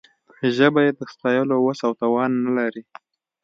ژبه یې د ستایلو وس او توان نه لري.